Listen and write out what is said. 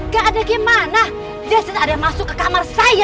gak ada gimana